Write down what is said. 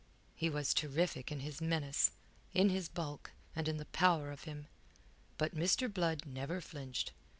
He was terrific in his menace, in his bulk, and in the power of him. But Mr. Blood never flinched.